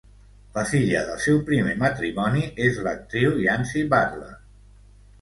La filla del seu primer matrimoni és l'actriu Yancy Butler.